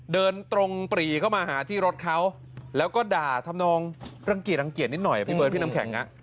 เดินตรงปรีเข้ามาหาที่รถเขาแล้วก็ด่าทำนองรังเกียจรังเกียจนิดหน่อยพี่เบิร์ดพี่น้ำแข็ง